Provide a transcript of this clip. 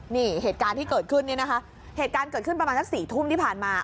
นี่เหตุการณ์ที่เกิดขึ้นเนี่ยนะคะเหตุการณ์เกิดขึ้นประมาณสัก๔ทุ่มที่ผ่านมา